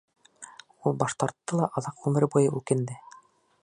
Ул баш тартты ла аҙаҡ ғүмер буйы үкенде.